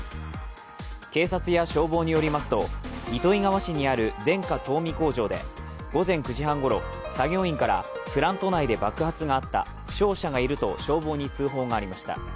警察や消防によりますと、糸魚川市にあるデンカ田海工場で午前９時半ごろ、作業員からプラント内で爆発があった、負傷者がいると消防に通報がありました。